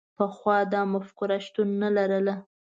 پخوا دا مفکوره شتون نه لرله.